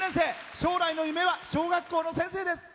将来の夢は小学校の先生です。